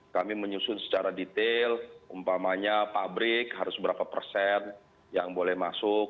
kami menyusun secara detail umpamanya pabrik harus berapa persen yang boleh masuk